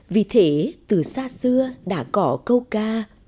vì thế từ xa xưa đã có câu ca